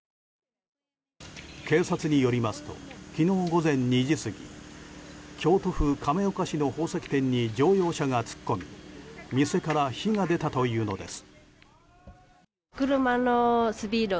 警察によりますと昨日午前２時過ぎ京都府亀岡市の宝石店に乗用車が突っ込み店から火が出たというのです。